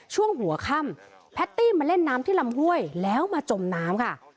ช่วงหัวค่ำแพตตี้มาเล่นน้ำที่ลำห้วยแล้วมาจมน้ำค่ะ